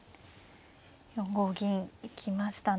４五銀行きましたね。